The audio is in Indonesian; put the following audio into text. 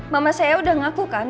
mama saya udah ngaku kan